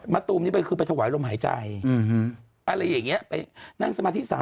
ตูมนี่ไปคือไปถวายลมหายใจอะไรอย่างนี้ไปนั่งสมาธิสา